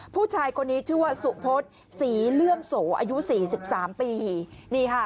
ผู้ชายคนนี้ชื่อว่าสุโภษสีเลื่อมโสอายุ๔๓ปี